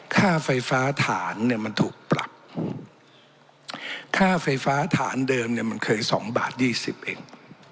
ค่าไฟฟ้าฐานเนี่ยมันถูกปรับค่าไฟฟ้าฐานเดิมเนี่ยมันเคยสองบาทยี่สิบเอง